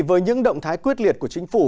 với những động thái quyết liệt của chính phủ